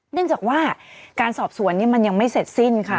เนื่องจากว่าการสอบสวนนี้มันยังไม่เสร็จสิ้นค่ะ